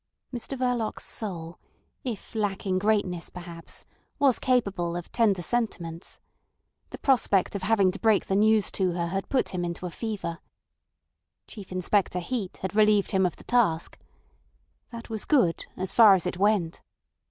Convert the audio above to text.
Mr Verloc's soul, if lacking greatness perhaps, was capable of tender sentiments. The prospect of having to break the news to her had put him into a fever. Chief Inspector Heat had relieved him of the task. That was good as far as it went.